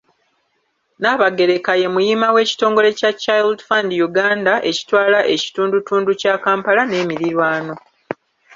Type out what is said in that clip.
Nnaabagereka ye muyima w’ekitongole kya Child Fund Uganda ekitwala ekitundutundu kya Kampala n’emiriraano.